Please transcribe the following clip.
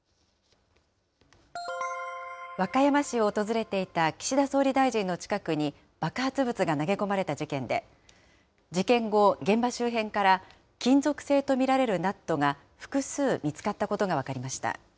和歌山市を訪れていた岸田総理大臣の近くに爆発物が投げ込まれた事件で、事件後、現場周辺から金属性と見られるナットが、複数見つかったことが分かりました。